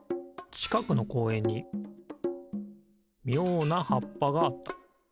ちかくのこうえんにみょうなはっぱがあった。